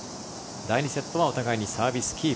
第２セットはお互いにサービスキープ。